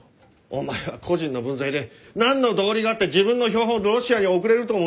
お前は個人の分際で何の道理があって自分の標本をロシアに送れると思うんだ？